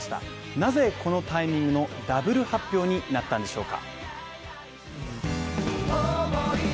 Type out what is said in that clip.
なぜこのタイミングのダブル発表になったんでしょうか？